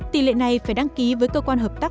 tỷ lệ này phải đăng ký với cơ quan hợp tác